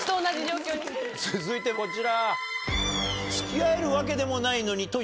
続いてこちら。